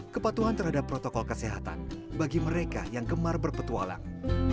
kepatuhan terhadap protokol kesehatan bagi mereka yang gemar berpetualang